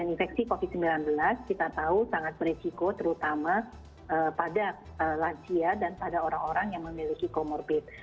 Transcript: infeksi covid sembilan belas kita tahu sangat beresiko terutama pada lansia dan pada orang orang yang memiliki comorbid